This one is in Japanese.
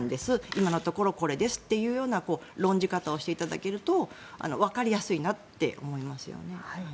今のところはこれですという論じ方をしていただけるとわかりやすいなって思いますね。